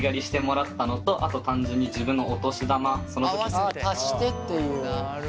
あ足してっていう。